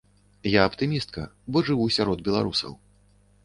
Я аптымістка, бо жыву сярод беларусаў.